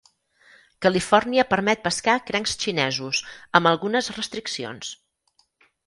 Califòrnia permet pescar crancs xinesos amb algunes restriccions.